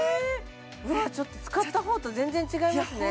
うわちょっと使ったほうと全然違いますねいや